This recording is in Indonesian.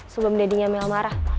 sebelum dadinya mel marah